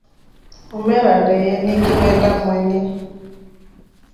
Umra ndeye nikiwenda mwoni.